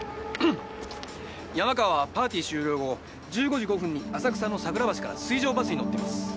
山川はパーティー終了後１５時５分に浅草の桜橋から水上バスに乗っています。